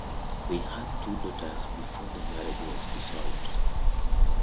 They had two daughters before the marriage was dissolved.